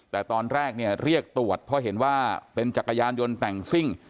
แต่ตอนแรกเนี่ยเรียกตรวจเพราะเห็นว่าเป็นจักรยานยนต์แต่งซิ่ง